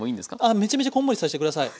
あめちゃめちゃこんもりさして下さい。